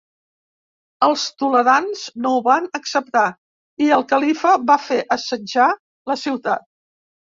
Els toledans no ho van acceptar i el califa va fer assetjar la ciutat.